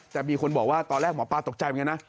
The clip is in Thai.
แต่มีคนบอกว่าตอนแรกหมอปลาตกใจเหมือนกันนะ